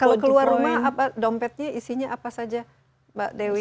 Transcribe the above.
kalau keluar rumah dompetnya isinya apa saja mbak dewi